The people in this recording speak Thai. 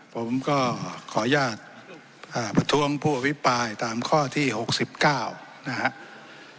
ผมก็ขออนุญาตอ่าประทรวงผู้อภิกษ์ปลายตามข้อที่หกสิบเก้านะฮะ